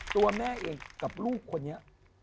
ตัวแม่เองกับลูกคนนี้